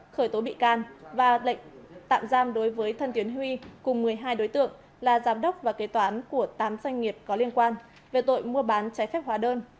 khởi tố bị can và lệnh tạm giam đối với thân tuyến huy cùng một mươi hai đối tượng là giám đốc và kế toán của tám doanh nghiệp có liên quan về tội mua bán trái phép hóa đơn